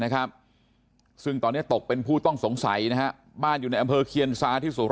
แล้วก็ยัดลงถังสีฟ้าขนาด๒๐๐ลิตร